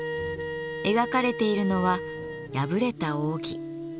描かれているのは破れた扇。